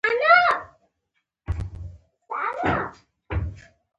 حیوان ژوند ژغوري.